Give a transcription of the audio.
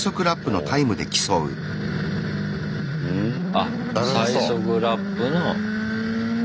あっ最速ラップの。